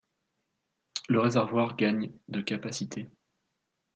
Le réservoir gagne de capacité.